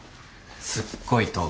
すっごい遠く。